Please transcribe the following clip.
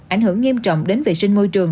ảnh hưởng nghiêm trọng đến vệ sinh môi trường